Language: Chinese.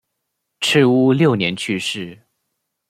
赤乌六年去世。